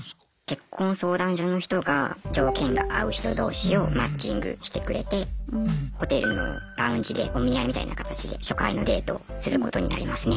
結婚相談所の人が条件が合う人同士をマッチングしてくれてホテルのラウンジでお見合いみたいな形で初回のデートをすることになりますね。